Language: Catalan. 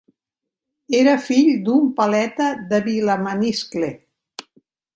Era fill d'un paleta de Vilamaniscle.